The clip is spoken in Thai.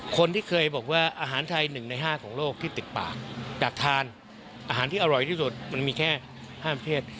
คนที่เคยบอกว่าอาหารไทย๑ใน๕ของโลกที่ติดปากอยากทานอาหารที่อร่อยที่สุดมันมีแค่๕ประเภท